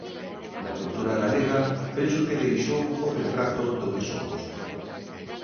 Na cultura galega penso que deixou o retrato do que somos.